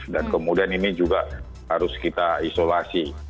dan kemudian ini juga harus kita isolasi